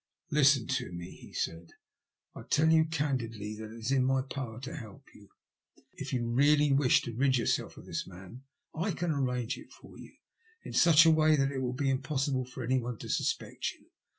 ''Listen to me," he said. "I tell you candidly that it is in my power to help you. If you really wish to rid yourself of this man, I can arrange it for you in such a way that it will be impossible for any one to suspect you.